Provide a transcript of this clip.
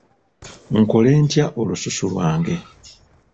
Nkole ntya olususu lwange?